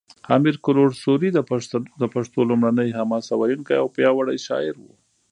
امیر کروړ سوري د پښتو لومړنی حماسه ویونکی او پیاوړی شاعر و